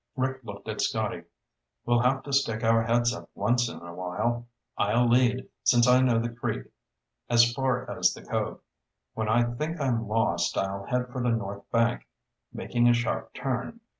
Rick looked at Scotty. "We'll have to stick our heads up once in a while. I'll lead, since I know the creek as far as the cove. When I think I'm lost, I'll head for the north bank, making a sharp turn.